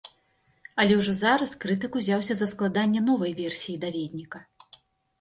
Але ўжо зараз крытык ўзяўся за складанне новай версіі даведніка.